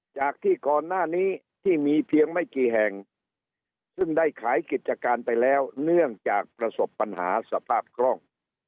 จากที่ก่อนหน้านี้ที่มีเพียงไม่กี่แห่งซึ่งได้ขายกิจการไปแล้วเนื่องจากประสบปัญหาสภาพคล่อง